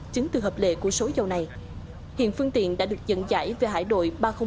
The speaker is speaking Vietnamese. chứng từ hợp lệ của số dầu này hiện phương tiện đã được dẫn giải về hải đội ba trăm linh một